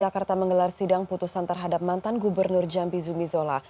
jakarta menggelar sidang putusan terhadap mantan gubernur jambi zumizola